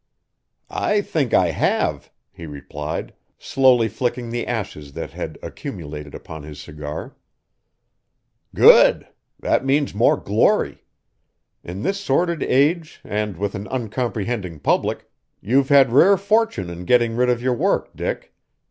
"I think I have," he replied, slowly flicking the ashes that had accumulated upon his cigar. "Good! That means more glory. In this sordid age, and with an uncomprehending public, you've had rare fortune in getting rid of your work, Dick.